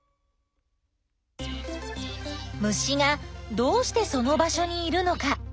虫がどうしてその場所にいるのか？